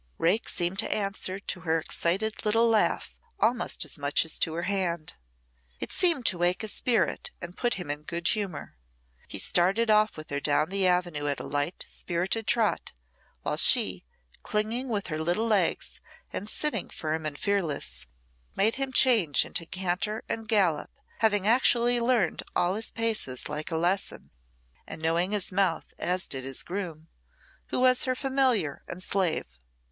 Rake seemed to answer to her excited little laugh almost as much as to her hand. It seemed to wake his spirit and put him in good humour. He started off with her down the avenue at a light, spirited trot, while she, clinging with her little legs and sitting firm and fearless, made him change into canter and gallop, having actually learned all his paces like a lesson, and knowing his mouth as did his groom, who was her familiar and slave.